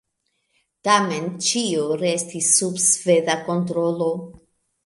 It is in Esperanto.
Tamen ĉio restis sub sveda kontrolo.